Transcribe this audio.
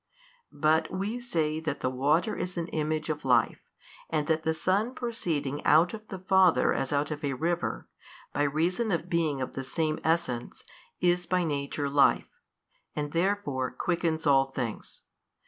But we say that the water is an image of life, and that the Son proceeding out of the Father as out of a river, by reason of being of the |226 Same Essence, is by Nature Life, and therefore quickens all things.